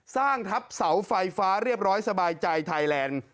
สร้างทับเสาไฟฟ้าเรียบร้อยสบายใจไทยแลนด์